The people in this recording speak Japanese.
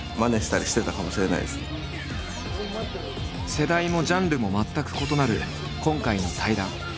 世代もジャンルも全く異なる今回の対談。